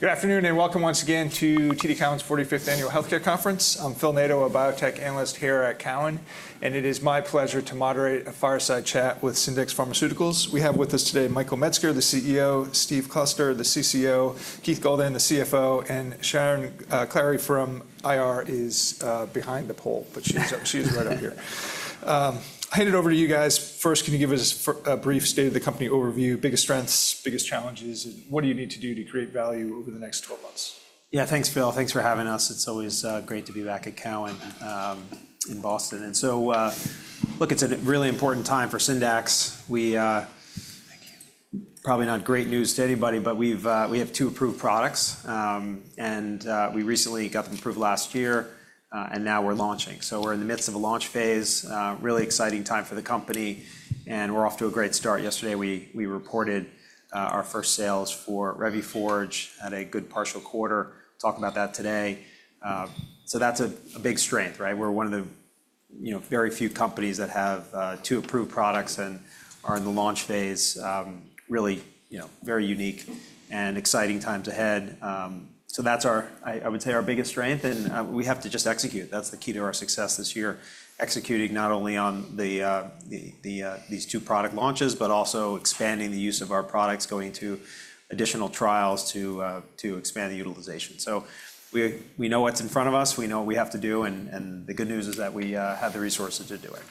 Good afternoon and welcome once again to TD Cowen's 45th Annual Healthcare Conference. I'm Phil Nadea, a Biotech Analyst here at Cowen, and it is my pleasure to moderate a fireside chat with Syndax Pharmaceuticals. We have with us today Michael Metzger, the CEO; Steve Kloster, the CCO; Keith Goldan, the CFO; and Sharon Clary from IR is behind the pole, but she's right up here. Hand it over to you guys. First, can you give us a brief state of the company overview, biggest strengths, biggest challenges, and what do you need to do to create value over the next 12 months? Yeah, thanks, Phil. Thanks for having us. It's always great to be back at Cowen in Boston. Look, it's a really important time for Syndax. Probably not great news to anybody, but we have two approved products, and we recently got them approved last year, and now we're launching. We're in the midst of a launch phase, really exciting time for the company, and we're off to a great start. Yesterday, we reported our first sales for Revuforj at a good partial quarter. Talk about that today. That's a big strength, right? We're one of the very few companies that have two approved products and are in the launch phase. Really very unique and exciting times ahead. That's our, I would say, our biggest strength, and we have to just execute. That's the key to our success this year, executing not only on these two product launches, but also expanding the use of our products, going to additional trials to expand the utilization. We know what's in front of us, we know what we have to do, and the good news is that we have the resources to do it.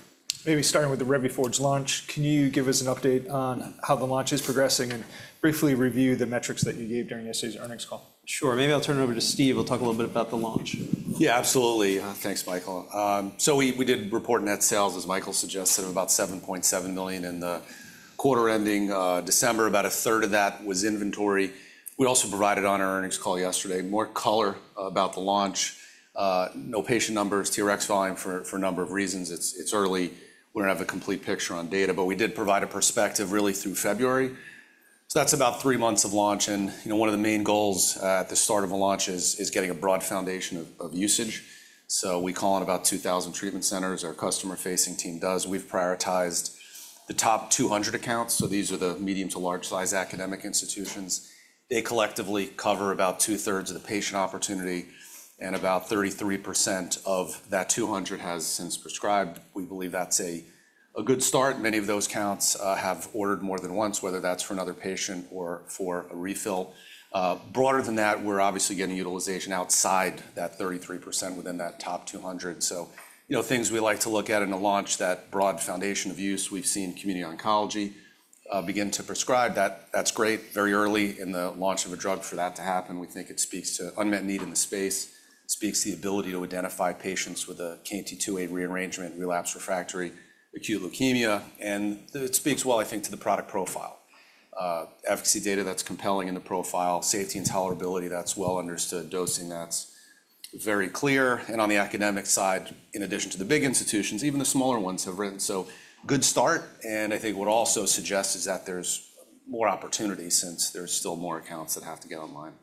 Maybe starting with the Revuforj launch, can you give us an update on how the launch is progressing and briefly review the metrics that you gave during yesterday's Earnings Call? Sure. Maybe I'll turn it over to Steve. He'll talk a little bit about the launch. Yeah, absolutely, Thanks, Michael. We did report net sales, as Michael suggested, of about $7.7 million in the quarter ending December. About a third of that was inventory. We also provided on our earnings call yesterday more color about the launch. No patient numbers, TRx volume for a number of reasons. It's early, we don't have a complete picture on data, but we did provide a perspective really through February. That is about three months of launch, and one of the main goals at the start of a launch is getting a broad foundation of usage. We call in about 2,000 treatment centers. Our customer-facing team does. We've prioritized the top 200 accounts. These are the medium to large-sized academic institutions. They collectively cover about 2/3 of the patient opportunity, and about 33% of that 200 has since prescribed. We believe that's a good start. Many of those counts have ordered more than once, whether that's for another patient or for a refill. Broader than that, we're obviously getting utilization outside that 33% within that top 200. Things we like to look at in a launch, that broad foundation of use. We've seen community oncology begin to prescribe. That's great. Very early in the launch of a drug for that to happen. We think it speaks to unmet need in the space, speaks to the ability to identify patients with a KMT2A rearrangement, relapse refractory, acute leukemia, and it speaks well, I think, to the product profile. Efficacy data, that's compelling in the profile. Safety and tolerability, that's well understood. Dosing, that's very clear. On the academic side, in addition to the big institutions, even the smaller ones have written. Good start, and I think what also suggests is that there's more opportunity since there's still more accounts that have to get online.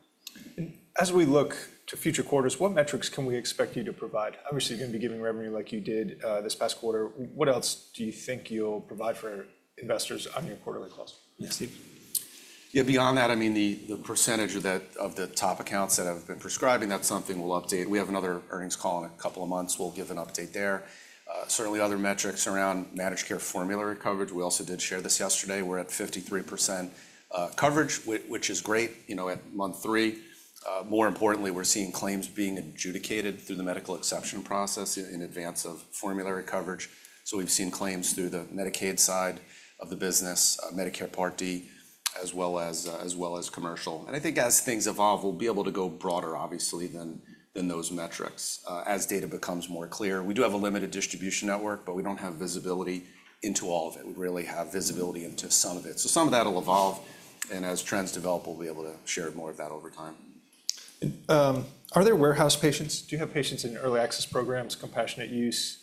As we look to future quarters, what metrics can we expect you to provide? Obviously, you're going to be giving revenue like you did this past quarter. What else do you think you'll provide for investors on your quarterly calls? Yeah, beyond that, I mean, the percentage of the top accounts that have been prescribing, that's something we'll update. We have another earnings call in a couple of months. We'll give an update there. Certainly, other metrics around managed care formulary coverage. We also did share this yesterday. We're at 53% coverage, which is great at month three. More importantly, we're seeing claims being adjudicated through the medical exception process in advance of formulary coverage. We've seen claims through the Medicaid side of the business, Medicare Part D, as well as commercial. I think as things evolve, we'll be able to go broader, obviously, than those metrics as data becomes more clear. We do have a limited distribution network, but we don't have visibility into all of it. We really have visibility into some of it. Some of that will evolve, and as trends develop, we'll be able to share more of that over time. Are there warehouse patients? Do you have patients in early access programs, compassionate use,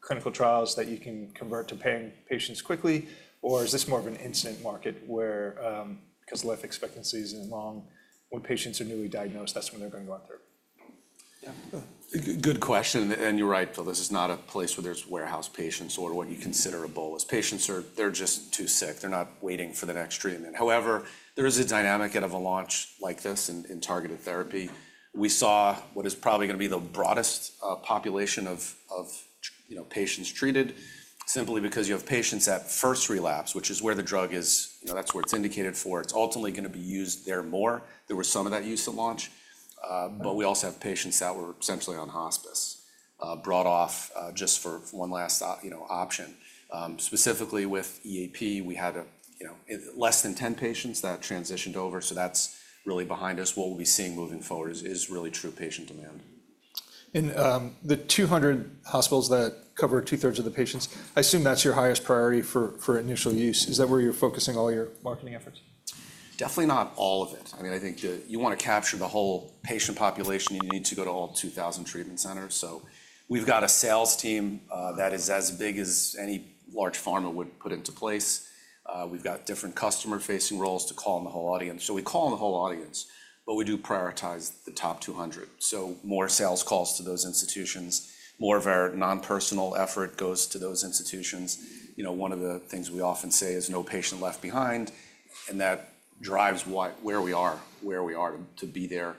clinical trials that you can convert to paying patients quickly, or is this more of an incident market where, because life expectancy isn't long, when patients are newly diagnosed, that's when they're going to go on through? Yeah. Good question, and you're right, Phil, this is not a place where there's warehouse patients or what you consider a bolus. Patients, they're just too sick. They're not waiting for the next treatment. However, there is a dynamic out of a launch like this in targeted therapy. We saw what is probably going to be the broadest population of patients treated simply because you have patients that first relapse, which is where the drug is, that's where it's indicated for. It's ultimately going to be used there more. There was some of that use at launch, but we also have patients that were essentially on hospice, brought off just for one last option. Specifically with EAP, we had less than 10 patients that transitioned over, so that's really behind us. What we'll be seeing moving forward is really true patient demand. The 200 hospitals that cover 2/3 of the patients, I assume that's your highest priority for initial use. Is that where you're focusing all your marketing efforts? Definitely not all of it. I mean, I think you want to capture the whole patient population, and you need to go to all 2,000 treatment centers. We've got a sales team that is as big as any large pharma would put into place. We've got different customer-facing roles to call in the whole audience. We call in the whole audience, but we do prioritize the top 200. More sales calls to those institutions, more of our non-personal effort goes to those institutions. One of the things we often say is no patient left behind, and that drives where we are, where we are to be there.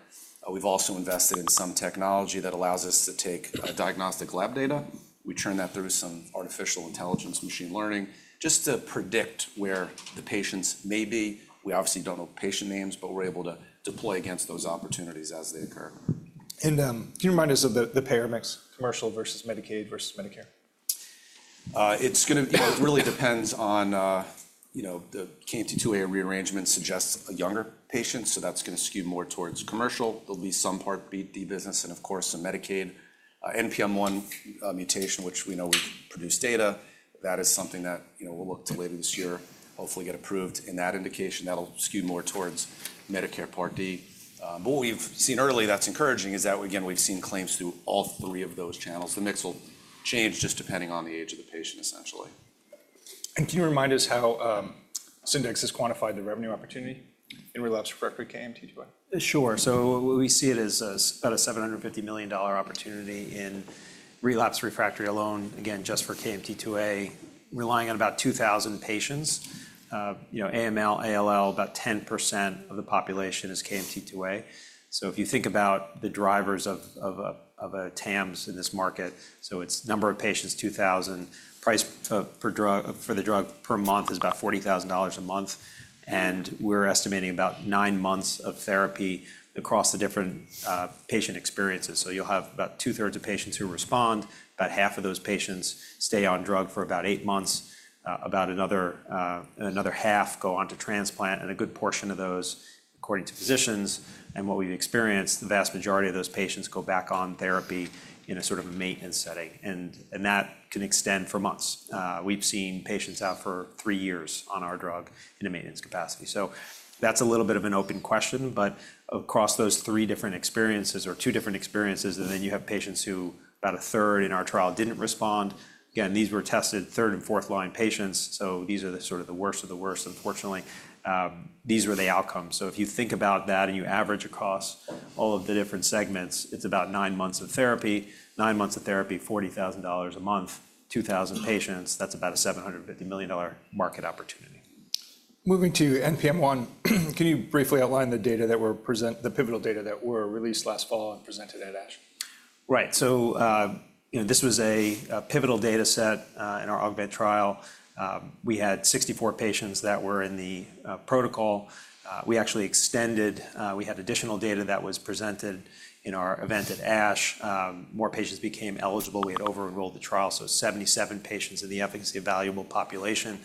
We've also invested in some technology that allows us to take diagnostic lab data. We turn that through some artificial intelligence machine learning just to predict where the patients may be. We obviously don't know patient names, but we're able to deploy against those opportunities as they occur. Can you remind us of the payor mix? Commercial versus Medicaid versus Medicare? It really depends on the KMT2A rearrangement suggests a younger patient, so that's going to skew more towards commercial. There'll be some Part B, D business, and of course, some Medicaid. NPM1 mutation, which we know we produce data, that is something that we'll look to later this year, hopefully get approved in that indication. That'll skew more towards Medicare Part D. What we've seen early that's encouraging is that, again, we've seen claims through all three of those channels. The mix will change just depending on the age of the patient, essentially. Can you remind us how Syndax has quantified the revenue opportunity in relapse refractory KMT2A? Sure. We see it as about a $750 million opportunity in relapse refractory alone, again, just for KMT2A, relying on about 2,000 patients. AML, ALL, about 10% of the population is KMT2A. If you think about the drivers of a TAMs in this market, it is number of patients, 2,000. Price for the drug per month is about $40,000 a month, and we're estimating about nine months of therapy across the different patient experiences. You'll have about 2/3 of patients who respond. About half of those patients stay on drug for about eight months. About another half go on to transplant, and a good portion of those, according to physicians, and what we've experienced, the vast majority of those patients go back on therapy in a sort of maintenance setting, and that can extend for months. We've seen patients out for three years on our drug in a maintenance capacity. That's a little bit of an open question, but across those three different experiences, or two different experiences, and then you have patients who about a 1/3 in our trial didn't respond. Again, these were tested third and fourth line patients, so these are the sort of the worst of the worst, unfortunately. These were the outcomes. If you think about that and you average across all of the different segments, it's about nine months of therapy. Nine months of therapy, $40,000 a month, 2,000 patients, that's about a $750 million market opportunity. Moving to NPM1, can you briefly outline the data that were presented, the pivotal data that were released last fall and presented at ASH? Right. So this was a pivotal data set in our AUGMENT trial. We had 64 patients that were in the protocol. We actually extended. We had additional data that was presented in our event at ASH. More patients became eligible. We had over-enrolled the trial, so 77 patients in the efficacy evaluable population.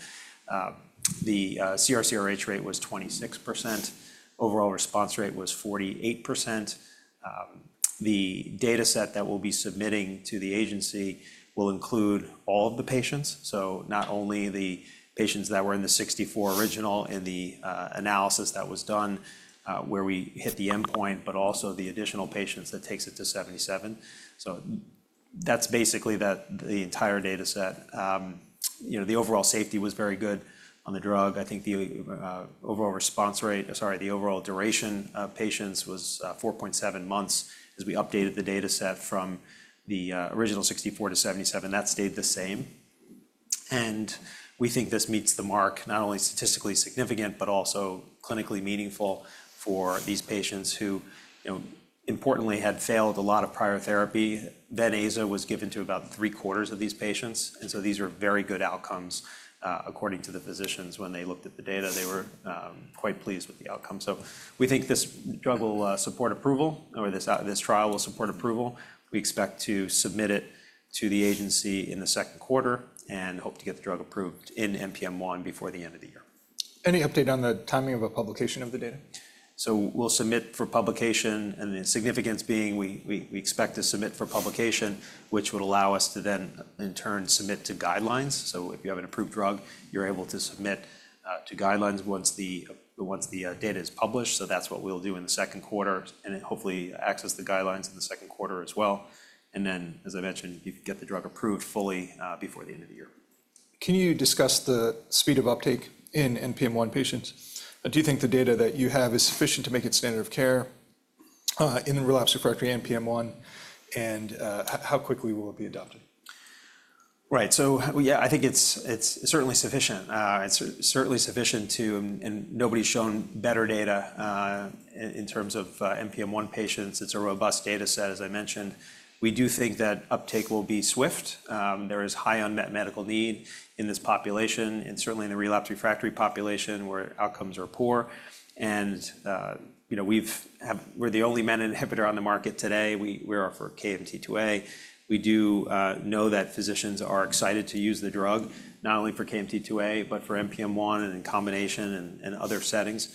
The CR/CRh rate was 26%. Overall response rate was 48%. The data set that we'll be submitting to the agency will include all of the patients, so not only the patients that were in the 64 original in the analysis that was done where we hit the endpoint, but also the additional patients that takes it to 77. That's basically the entire data set. The overall safety was very good on the drug. I think the overall response rate, sorry, the overall duration of patients was 4.7 months as we updated the data set from the original 64 to 77. That stayed the same. We think this meets the mark, not only statistically significant, but also clinically meaningful for these patients who importantly had failed a lot of prior therapy. VENCLEXTA was given to about 3/4 of these patients, and these were very good outcomes according to the physicians. When they looked at the data, they were quite pleased with the outcome. We think this drug will support approval, or this trial will support approval. We expect to submit it to the agency in the Q2 and hope to get the drug approved in NPM1 before the end of the year. Any update on the timing of publication of the data? We will submit for publication, and the significance being we expect to submit for publication, which would allow us to then in turn submit to guidelines. If you have an approved drug, you're able to submit to guidelines once the data is published. That is what we will do in the Q2, and hopefully access the guidelines in the Q2 as well. As I mentioned, you can get the drug approved fully before the end of the year. Can you discuss the speed of uptake in NPM1 patients? Do you think the data that you have is sufficient to make it standard of care in relapse refractory NPM1, and how quickly will it be adopted? Right. So yeah, I think it's certainly sufficient. It's certainly sufficient to, and nobody's shown better data in terms of NPM1 patients. It's a robust data set, as I mentioned. We do think that uptake will be swift. There is high unmet medical need in this population, and certainly in the relapse refractory population where outcomes are poor. We're the only menin Inhibitor on the market today. We are for KMT2A. We do know that physicians are excited to use the drug, not only for KMT2A, but for NPM1 and in combination and other settings.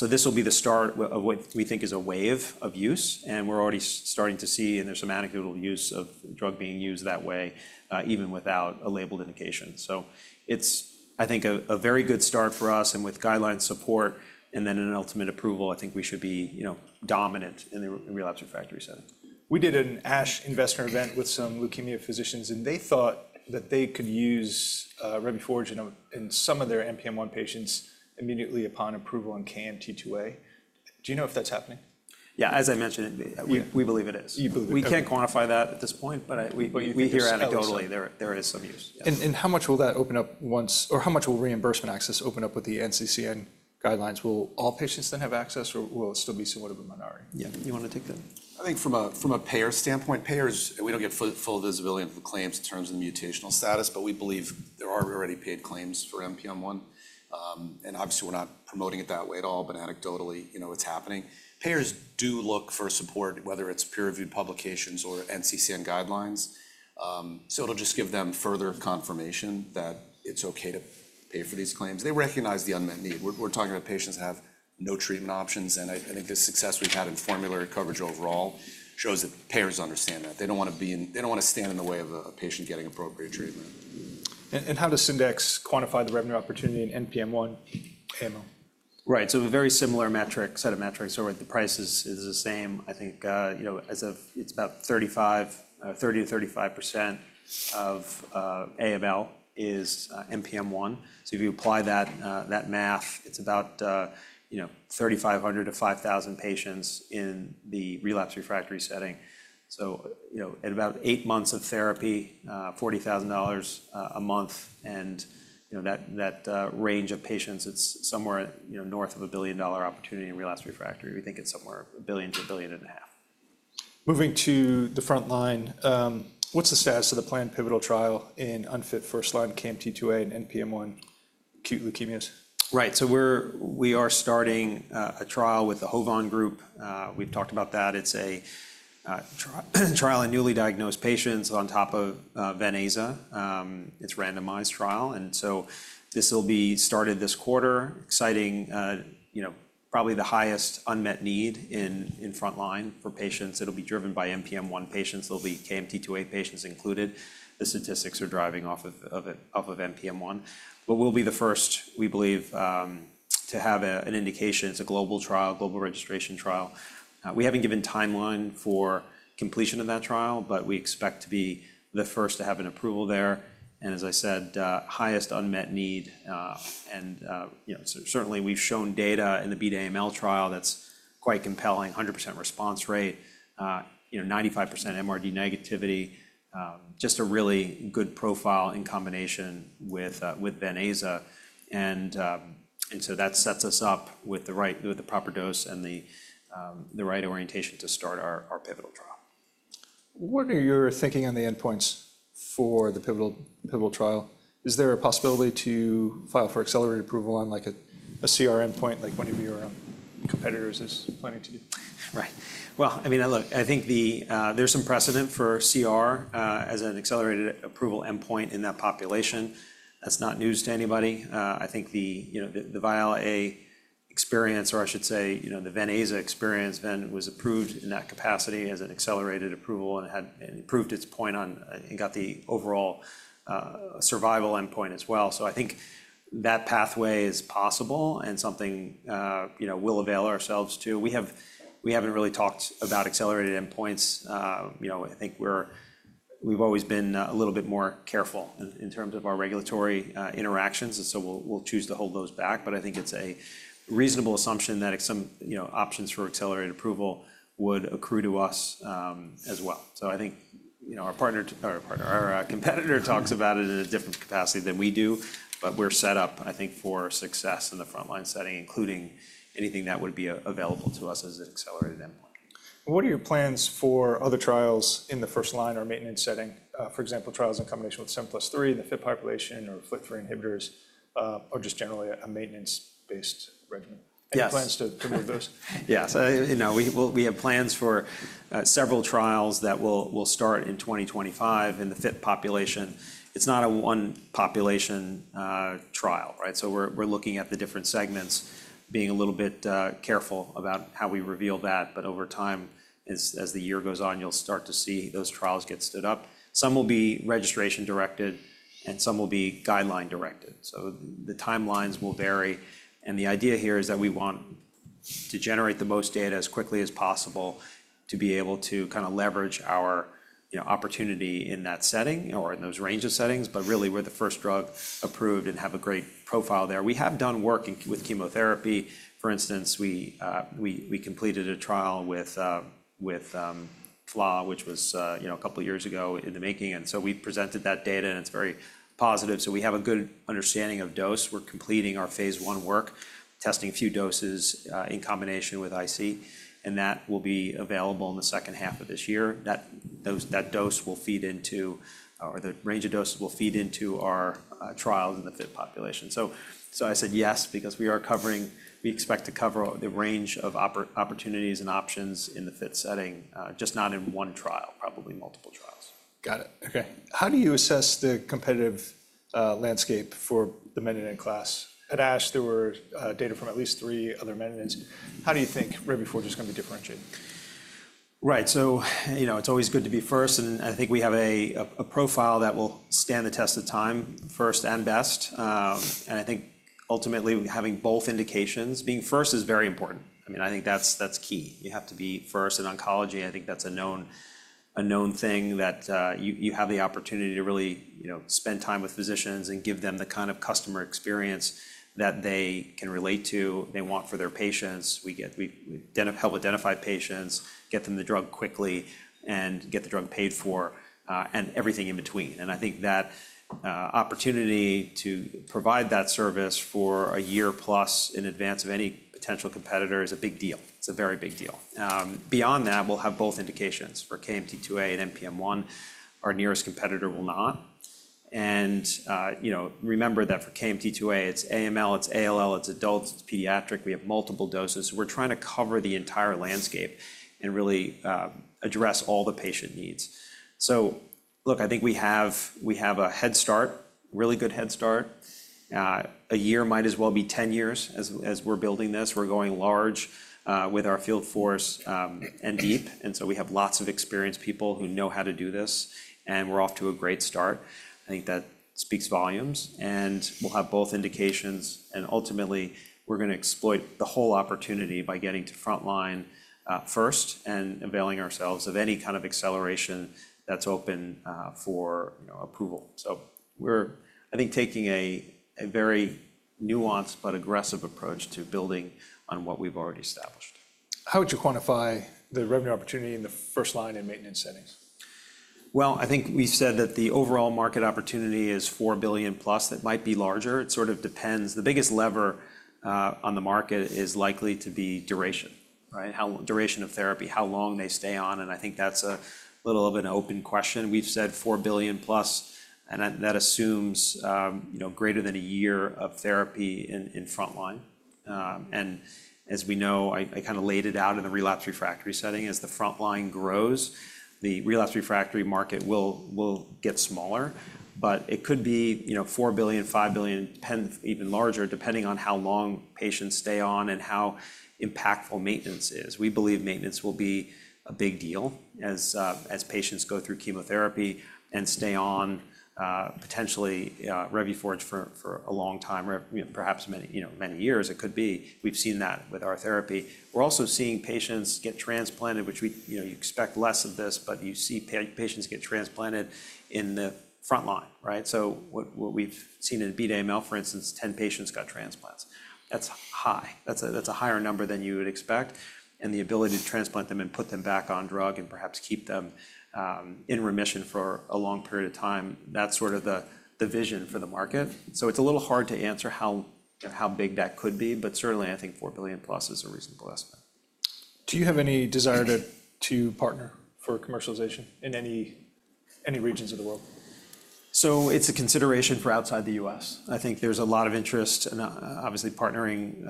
This will be the start of what we think is a wave of use, and we're already starting to see, and there's some anecdotal use of the drug being used that way even without a labeled indication. I think it's a very good start for us, and with guideline support, and then an ultimate approval, I think we should be dominant in the relapse refractory setting. We did an ASH investor event with some leukemia physicians, and they thought that they could use Revuforj in some of their NPM1 patients immediately upon approval on KMT2A. Do you know if that's happening? Yeah, as I mentioned, we believe it is. You believe it. We can't quantify that at this point, but we hear anecdotally there is some use. How much will that open up once, or how much will reimbursement access open up with the NCCN guidelines? Will all patients then have access, or will it still be somewhat of a minority? Yeah. You want to take that? I think from a payer standpoint, payers, we do not get full visibility on claims in terms of the mutational status, but we believe there are already paid claims for NPM1. Obviously, we are not promoting it that way at all, but anecdotally, it is happening. Payers do look for support, whether it is peer-reviewed publications or NCCN guidelines, it will just give them further confirmation that it is okay to pay for these claims. They recognize the unmet need. We are talking about patients that have no treatment options, and I think the success we have had in formulary coverage overall shows that payers understand that. They do not want to stand in the way of a patient getting appropriate treatment. How does Syndax quantify the revenue opportunity in NPM1 AML? Right. So a very similar set of metrics, where the price is the same. I think it's about 30% to 35% of AML is NPM1. So if you apply that math, it's about 3,500 to 5,000 patients in the relapse refractory setting. So at about eight months of therapy, $40,000 a month, and that range of patients, it's somewhere north of a billion dollar opportunity in relapse refractory. We think it's somewhere a billion to a billion and a half. Moving to the front line, what's the status of the planned pivotal trial in unfit first line KMT2A and NPM1 acute leukemias? Right. We are starting a trial with the HOVON group. We've talked about that. It's a trial in newly diagnosed patients on top of VENCLEXTA. It's a randomized trial, and this will be started this quarter. Exciting, probably the highest unmet need in front line for patients. It'll be driven by NPM1 patients. There will be KMT2A patients included. The statistics are driving off of NPM1. We will be the first, we believe, to have an indication. It's a global trial, global registration trial. We haven't given a timeline for completion of that trial, but we expect to be the first to have an approval there. As I said, highest unmet need. Certainly, we've shown data in the BDAML trial that's quite compelling, 100% response rate, 95% MRD negativity, just a really good profile in combination with VENCLEXTA. That sets us up with the proper dose and the right orientation to start our pivotal trial. What are your thinking on the endpoints for the pivotal trial? Is there a possibility to file for accelerated approval on a CR endpoint, like one of your competitors is planning to do? Right. I mean, look, I think there's some precedent for CR as an accelerated approval endpoint in that population. That's not news to anybody, I think the VENCLEXTA experience, or I should say the VENCLEXTA experience, then was approved in that capacity as an accelerated approval and proved its point and got the overall survival endpoint as well. I think that pathway is possible and something we'll avail ourselves to. We haven't really talked about accelerated endpoints. I think we've always been a little bit more careful in terms of our regulatory interactions, and so we'll choose to hold those back. I think it's a reasonable assumption that some options for accelerated approval would accrue to us as well. I think our competitor talks about it in a different capacity than we do, but we're set up, I think, for success in the front line setting, including anything that would be available to us as an accelerated endpoint. What are your plans for other trials in the first line or maintenance setting? For example, trials in combination with SEMP+3 in the FIT population or FLT3 inhibitors, or just generally a maintenance-based regimen. Any plans to move those? Yes. We have plans for several trials that will start in 2025 in the FIT population. It's not a one-population trial, right? We're looking at the different segments, being a little bit careful about how we reveal that. Over time, as the year goes on, you'll start to see those trials get stood up. Some will be registration-directed, and some will be guideline-directed. The timelines will vary and the idea here is that we want to generate the most data as quickly as possible to be able to kind of leverage our opportunity in that setting or in those range of settings. Really, we're the first drug approved and have a great profile there. We have done work with chemotherapy. For instance, we completed a trial with FLA, which was a couple of years ago in the making. We presented that data, and it's very positive. We have a good understanding of dose. We're completing our phase one work, testing a few doses in combination with IC, and that will be available in the second half of this year. That dose will feed into, or the range of doses will feed into our trials in the FIT population. I said yes because we are covering, we expect to cover the range of opportunities and options in the FIT setting, just not in one trial, probably multiple trials. Got it. Okay. How do you assess the competitive landscape for the menin inhibitor class? At ASH, there were data from at least three other menin inhibitors. How do you think Revuforj is going to be differentiated? Right. It's always good to be first, and I think we have a profile that will stand the test of time, first and best. I think ultimately, having both indications, being first is very important. I mean, I think that's key. You have to be first in oncology. I think that's a known thing that you have the opportunity to really spend time with physicians and give them the kind of customer experience that they can relate to, they want for their patients. We help identify patients, get them the drug quickly, and get the drug paid for, and everything in between. I think that opportunity to provide that service for a year plus in advance of any potential competitor is a big deal. It's a very big deal. Beyond that, we'll have both indications for KMT2A and NPM1. Our nearest competitor will not. Remember that for KMT2A, it's AML, it's ALL, it's adults, it's pediatric. We have multiple doses. We're trying to cover the entire landscape and really address all the patient needs. Look, I think we have a head start, really good head start. A year might as well be 10 years as we're building this. We're going large with our field force and deep, and we have lots of experienced people who know how to do this, and we're off to a great start. I think that speaks volumes, and we'll have both indications, and ultimately, we're going to exploit the whole opportunity by getting to front line first and availing ourselves of any kind of acceleration that's open for approval. We're, I think, taking a very nuanced but aggressive approach to building on what we've already established. How would you quantify the revenue opportunity in the first line and maintenance settings? I think we said that the overall market opportunity is $4 billion plus, that might be larger. It sort of depends. The biggest lever on the market is likely to be duration, right? Duration of therapy, how long they stay on. I think that's a little of an open question. We've said $4 billion plus, and that assumes greater than a year of therapy in front line. As we know, I kind of laid it out in the relapse refractory setting. As the front line grows, the relapse refractory market will get smaller, but it could be $4 billion, $5 billion, $10 billion, even larger, depending on how long patients stay on and how impactful maintenance is. We believe maintenance will be a big deal as patients go through chemotherapy and stay on potentially Revuforj for a long time, perhaps many years. It could be. We've seen that with our therapy. We're also seeing patients get transplanted, which you expect less of this, but you see patients get transplanted in the front line, right? What we've seen in BDAML, for instance, 10 patients got transplants. That's high. That's a higher number than you would expect. The ability to transplant them and put them back on drug and perhaps keep them in remission for a long period of time, that's sort of the vision for the market. It's a little hard to answer how big that could be, but certainly, I think $4 billion plus is a reasonable estimate. Do you have any desire to partner for commercialization in any regions of the world? It's a consideration for outside the US I think there's a lot of interest, obviously, partnering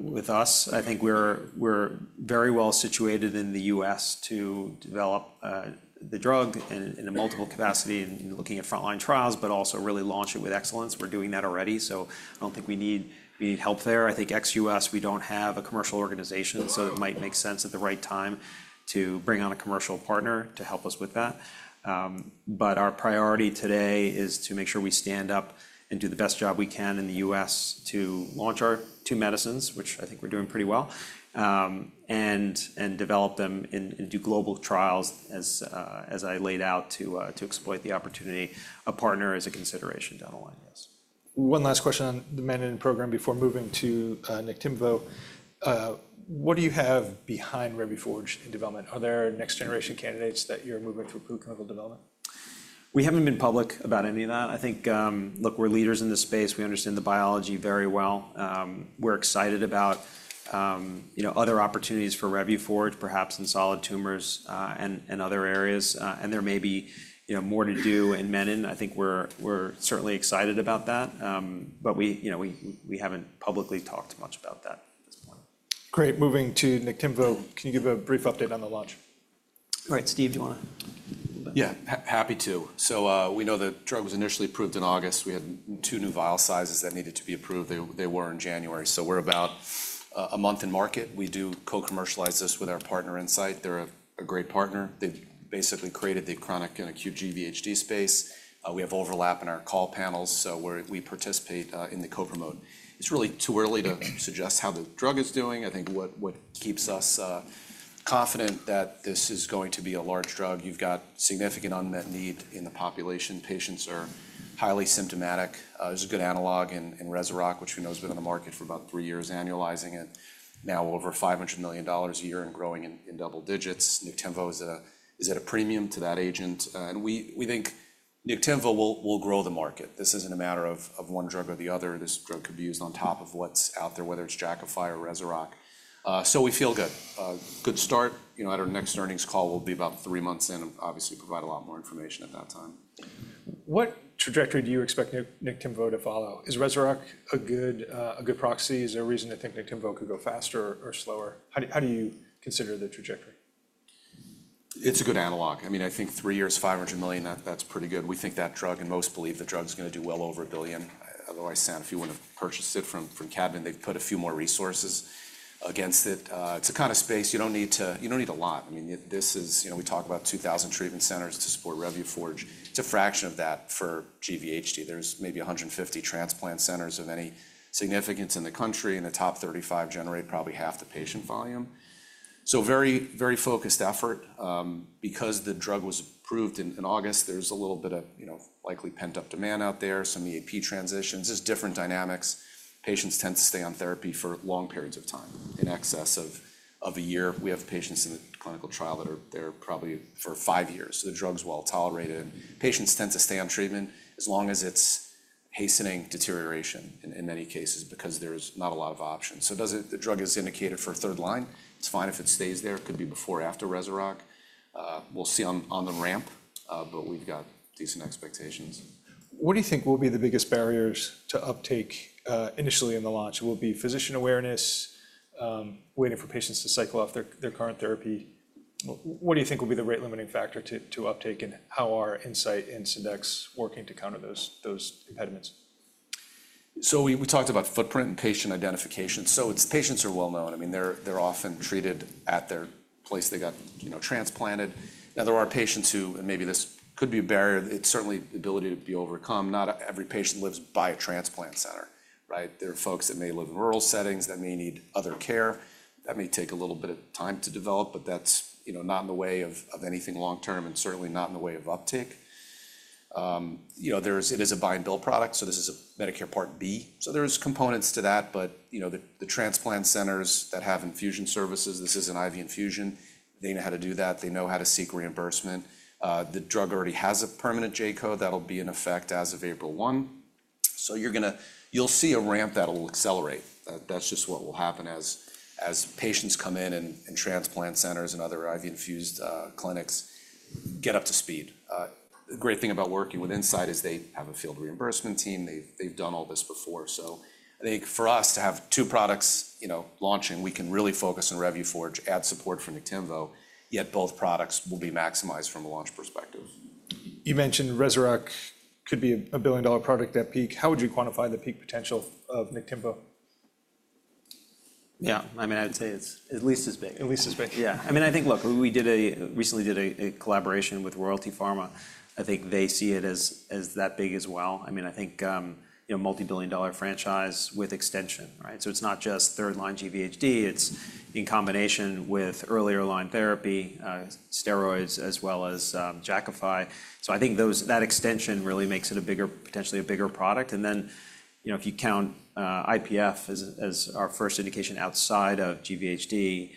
with us. I think we're very well situated in the U.S. to develop the drug in a multiple capacity and looking at front line trials, but also really launch it with excellence. We're doing that already. I don't think we need help there. I think US, we don't have a commercial organization, so it might make sense at the right time to bring on a commercial partner to help us with that. Our priority today is to make sure we stand up and do the best job we can in the US to launch our two medicines, which I think we're doing pretty well, and develop them and do global trials, as I laid out, to exploit the opportunity. A partner is a consideration down the line, yes. One last question on the menin program before moving to Niktimvo. What do you have behind Revuforj in development? Are there next generation candidates that you're moving through clinical development? We haven't been public about any of that. I think, look, we're leaders in this space. We understand the biology very well. We're excited about other opportunities for Revuforj, perhaps in solid tumors and other areas. There may be more to do in menin. I think we're certainly excited about that, but we haven't publicly talked much about that at this point. Great. Moving to Niktimvo. Can you give a brief update on the launch? All right, Steve, do you want to? Yeah, happy to. We know the drug was initially approved in August. We had two new vial sizes that needed to be approved they were in January. We are about a month in market, we do co-commercialize this with our partner Incyte. They are a great partner. They have basically created the chronic and acute GVHD space. We have overlap in our call panels, so we participate in the co-promote. It is really too early to suggest how the drug is doing. I think what keeps us confident that this is going to be a large drug, you have got significant unmet need in the population patients are highly symptomatic. There is a good analog in Jakafi, which we know has been in the market for about three years, annualizing it. Now we are over $500 million a year and growing in double digits. Niktimvo is at a premium to that agent. We think Niktimvo will grow the market. This isn't a matter of one drug or the other. This drug could be used on top of what's out there, whether it's Jakafi or Rezurock. We feel good. Good start. At our next earnings call, we'll be about three months in and obviously provide a lot more information at that time. What trajectory do you expect Niktimvo to follow? Is Revuforj a good proxy? Is there a reason to think Niktimvo could go faster or slower? How do you consider the trajectory? It's a good analog. I mean, I think three years, $500 million, that's pretty good. We think that drug, and most believe the drug's going to do well over a billion. Otherwise, if you wouldn't have purchased it from Kadmon, they've put a few more resources against it. It's the kind of space you don't need to, you don't need a lot. I mean, this is, we talk about 2,000 treatment centers to support Revuforj. It's a fraction of that for GVHD, there's maybe 150 transplant centers of any significance in the country, and the top 35 generate probably half the patient volume. Very focused effort. Because the drug was approved in August, there's a little bit of likely pent-up demand out there, some EAP transitions. There's different dynamics. Patients tend to stay on therapy for long periods of time, in excess of a year. We have patients in the clinical trial that are there probably for five years. The drug's well tolerated. Patients tend to stay on treatment as long as it's hastening deterioration in many cases because there's not a lot of options. The drug is indicated for third line. It's fine if it stays there. It could be before or after Niktimvo. We'll see on the ramp, but we've got decent expectations. What do you think will be the biggest barriers to uptake initially in the launch? Will it be physician awareness, waiting for patients to cycle off their current therapy? What do you think will be the rate-limiting factor to uptake, and how are Incyte and Syndax working to counter those impediments? We talked about footprint and patient identification. Patients are well known, I mean, they're often treated at their place they got transplanted. Now, there are patients who, and maybe this could be a barrier, it's certainly the ability to be overcome. Not every patient lives by a transplant center, right? There are folks that may live in rural settings that may need other care. That may take a little bit of time to develop, but that's not in the way of anything long-term and certainly not in the way of uptake. It is a buy-and-bill product, so this is a Medicare Part B. There are components to that, but the transplant centers that have infusion services, this is an IV infusion. They know how to do that. They know how to seek reimbursement. The drug already has a permanent J-code that'll be in effect as of April 1. You'll see a ramp that'll accelerate. That's just what will happen as patients come in and transplant centers and other IV-infused clinics get up to speed. The great thing about working with Incyte is they have a field reimbursement team, they've done all this before. I think for us to have two products launching, we can really focus on Revuforj, add support for Niktimvo, yet both products will be maximized from a launch perspective. You mentioned Revuforj could be a billion-dollar product at peak. How would you quantify the peak potential of Niktimvo? Yeah, I mean, I would say it's at least as big. At least as big, yeah. I mean, I think, look, we recently did a collaboration with Royalty Pharma. I think they see it as that big as well. I mean, I think multi-billion dollar franchise with extension, right? It is not just third line GVHD. It is in combination with earlier line therapy, steroids, as well as Jakafi. I think that extension really makes it a bigger, potentially a bigger product. If you count IPF as our first indication outside of GVHD, it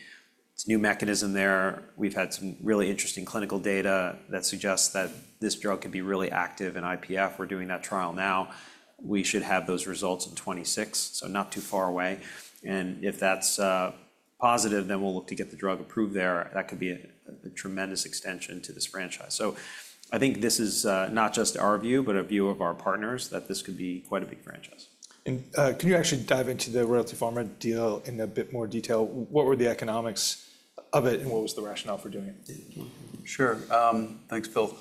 is a new mechanism there. We have had some really interesting clinical data that suggests that this drug could be really active in IPF. We are doing that trial now. We should have those results in 2026, so not too far away. If that is positive, then we will look to get the drug approved there. That could be a tremendous extension to this franchise. I think this is not just our view, but a view of our partners, that this could be quite a big franchise. Can you actually dive into the Royalty Pharma deal in a bit more detail? What were the economics of it, and what was the rationale for doing it? Sure. Thanks, Phil.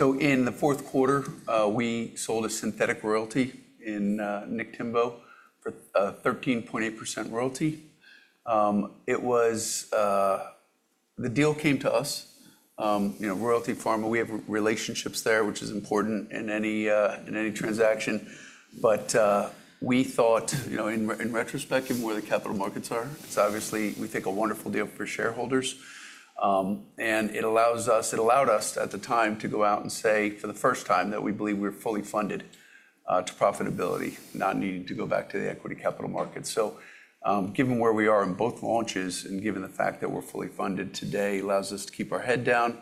In the Q4, we sold a synthetic royalty in Niktimvo for a 13.8% royalty. The deal came to us. Royalty Pharma, we have relationships there, which is important in any transaction. We thought, in retrospect, given where the capital markets are, it's obviously, we think, a wonderful deal for shareholders. It allowed us at the time to go out and say for the first time that we believe we were fully funded to profitability, not needing to go back to the equity capital market. Given where we are in both launches and given the fact that we're fully funded today, it allows us to keep our head down,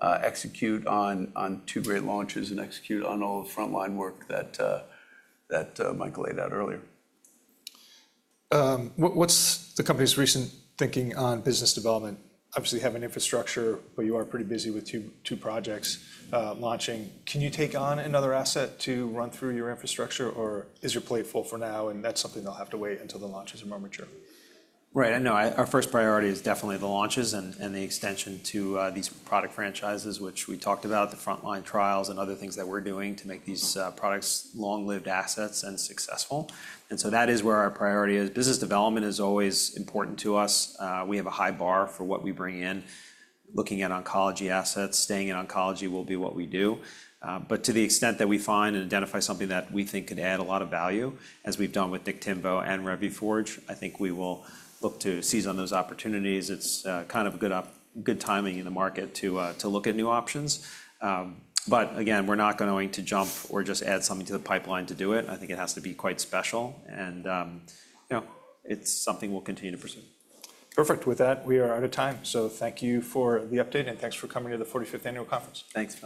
execute on two great launches, and execute on all the front line work that Michael laid out earlier. What's the company's recent thinking on business development? Obviously, you have an infrastructure, but you are pretty busy with two projects launching. Can you take on another asset to run through your infrastructure, or is your plate full for now, and that's something they'll have to wait until the launches are more mature? Right, I know our first priority is definitely the launches and the extension to these product franchises, which we talked about, the front line trials and other things that we're doing to make these products long-lived assets and successful. That is where our priority is. Business development is always important to us. We have a high bar for what we bring in. Looking at oncology assets, staying in oncology will be what we do. To the extent that we find and identify something that we think could add a lot of value, as we've done with Niktimvo and Revuforj, I think we will look to seize on those opportunities. It's kind of good timing in the market to look at new options. Again, we're not going to jump or just add something to the pipeline to do it. I think it has to be quite special, and it's something we'll continue to pursue. Perfect. With that, we are out of time. Thank you for the update, and thanks for coming to the 45th Annual Conference. Thanks.